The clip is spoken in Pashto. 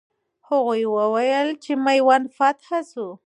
هغوی وویل چې میوند فتح سو.